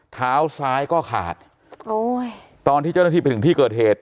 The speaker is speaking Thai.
เท้าซ้ายก็ขาดโอ้ยตอนที่เจ้าหน้าที่ไปถึงที่เกิดเหตุ